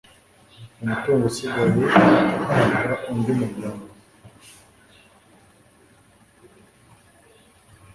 umutungo usigaye uhabwa undi muryango